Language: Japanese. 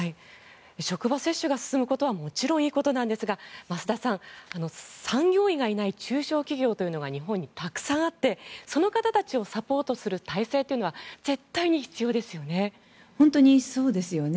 職場接種が進むことはもちろんいいことなんですが増田さん、産業医がいない中小企業というのは日本にたくさんあってその方たちをサポートする体制は絶対に必要ですよね。